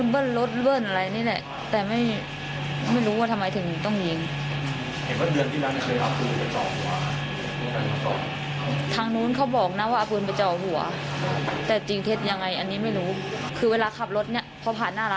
พวกเด็กมาให้หน้าร้าน